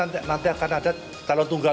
nanti akan ada calon tunggal